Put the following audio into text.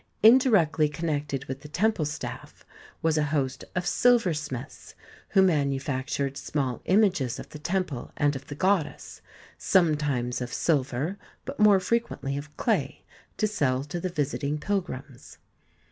Indirectly connected with the temple staff was a host of silversmiths who manufactured small images of the temple and of the goddess, sometimes of silver but more frequently of clay, to sell to the 8 ii 4 THE SEyEN WONDERS visiting pilgrims.